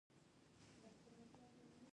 زه د ساده ډیزاین خوښوم.